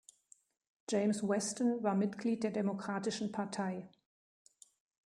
James Weston war Mitglied der Demokratischen Partei.